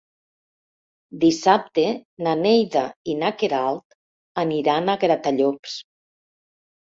Dissabte na Neida i na Queralt aniran a Gratallops.